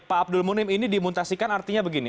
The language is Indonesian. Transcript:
pak abdul munim ini dimutasikan artinya begini